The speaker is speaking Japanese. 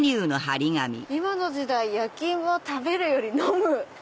「今の時代焼き芋は食べるより飲む」。